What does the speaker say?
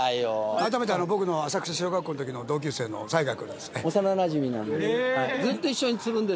あらためて僕の浅草小学校のときの同級生の雑賀君です。